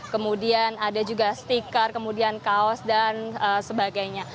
kemudian ada juga stiker kemudian kaos dan sebagainya